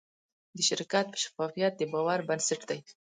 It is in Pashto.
د شرکت شفافیت د باور بنسټ دی.